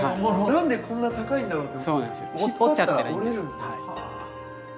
何でこんな高いんだろうって。